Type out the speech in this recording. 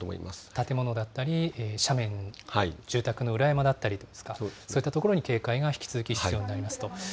建物だったり、斜面、住宅の裏山だったりですか、そういった所に警戒が引き続き必要になりますと。